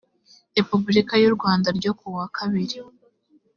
repubulika y u rwanda ryo kuwa kabiri